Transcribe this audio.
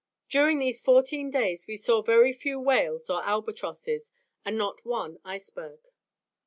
During these fourteen days we saw very few whales or albatrosses, and not one iceberg.